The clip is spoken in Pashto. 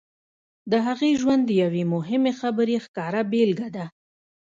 د هغې ژوند د یوې مهمې خبرې ښکاره بېلګه ده